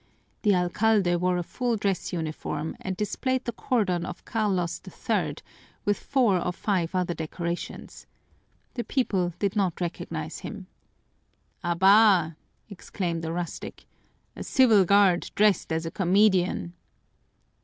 The alcalde wore a full dress uniform and displayed the cordon of Carlos III, with four or five other decorations. The people did not recognize him. "Abá!" exclaimed a rustic. "A civil guard dressed as a comedian!"